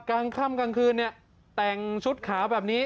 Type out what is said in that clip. กลางค่ำกลางคืนเนี่ยแต่งชุดขาวแบบนี้